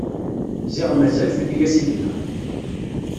Ziɣ mazal fell-i asigna.